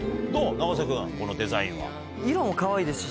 永瀬君このデザインは。